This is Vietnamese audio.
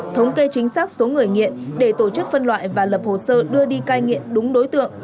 thống kê chính xác số người nghiện để tổ chức phân loại và lập hồ sơ đưa đi cai nghiện đúng đối tượng